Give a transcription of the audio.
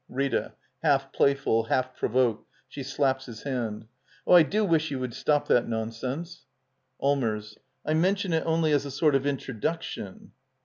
RrrA. [Half playful, half provoked, she slaps his hand.] Oh, I do wish* you would stop that nonsense. Allmers. I mention it only as a sort of intro duction.